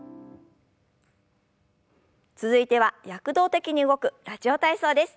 続いては躍動的に動く「ラジオ体操」です。